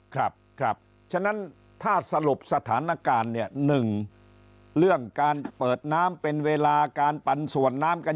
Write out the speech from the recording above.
ครับครับฉะนั้นถ้าสรุปสถานการณ์เนี่ย๑เรื่องการเปิดน้ำเป็นเวลาการปันส่วนน้ำกัน